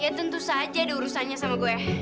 ya tentu saja ada urusannya sama gue